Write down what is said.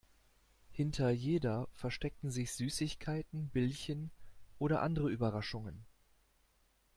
Hinter jeder verstecken sich Süßigkeiten, Bildchen oder andere Überraschungen.